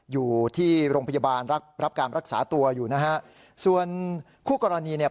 อยู่ที่โรงพยาบาลรับรับการรักษาตัวอยู่นะฮะส่วนคู่กรณีเนี่ย